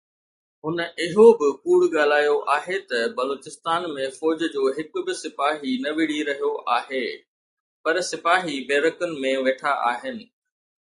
هن اهو به ڪوڙ ڳالهايو آهي ته بلوچستان ۾ فوج جو هڪ به سپاهي نه وڙهي رهيو آهي، پر سپاهي بيرڪن ۾ ويٺا آهن.